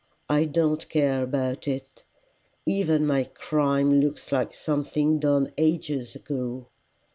I don't care about it. Even my crime looks like something done ages ago.